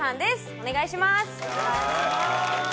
お願いします